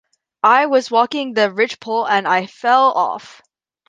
I was walking the ridgepole and I fell off.